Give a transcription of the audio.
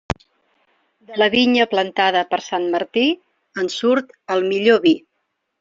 De la vinya plantada per sant Martí, en surt el millor vi.